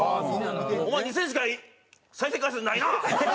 お前２０００しか再生回数ないな！